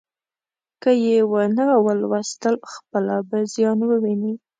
که یې ونه ولوستل، خپله به زیان وویني.